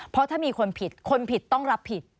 เพราะถ้ามีคนผิดคนผิดต้องรับผิด